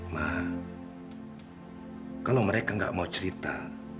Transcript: nah kalau mereka nggak mau cerita